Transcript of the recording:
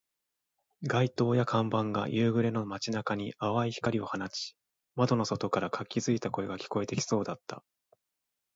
街灯や看板が夕暮れの街中に淡い光を放ち、窓の外から活気付いた声が聞こえてきそうだった